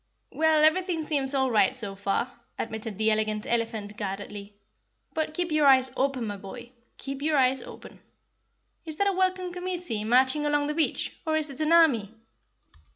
"Well, everything seems all right so far," admitted the Elegant Elephant guardedly. "But keep your eyes open, my boy keep your eyes open. Is that a welcome committee marching along the beach, or is it an army?"